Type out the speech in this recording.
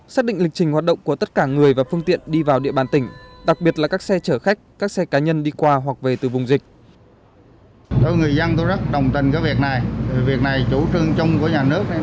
xác định lịch trình hoạt động của tất cả người và phương tiện đi vào địa bàn tỉnh đặc biệt là các xe chở khách các xe cá nhân đi qua hoặc về từ vùng dịch